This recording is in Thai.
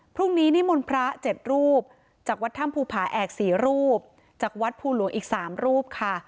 นิมนต์พระ๗รูปจากวัดถ้ำภูผาแอก๔รูปจากวัดภูหลวงอีก๓รูปค่ะ